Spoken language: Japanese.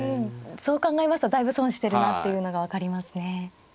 そう考えますとだいぶ損してるなっていうのが分かりますね。